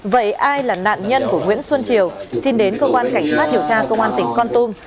vậy ai là nạn nhân của nguyễn xuân triều xin đến cơ quan cảnh sát điều tra công an tỉnh con tum